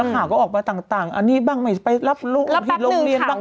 แล้วข่าก็ออกไปต่างอันนี้บ้างไปรับลูกอบฮิตลงเบียนบ้าง